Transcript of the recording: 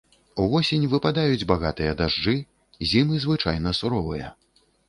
Увосень выпадаюць багатыя дажджы, зімы звычайна суровыя.